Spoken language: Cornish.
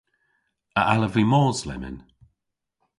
A allav vy mos lemmyn?